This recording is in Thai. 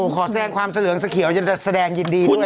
ขอแสดงความสะเหลืองสะเขียวจะแสดงยินดีด้วยนะครับ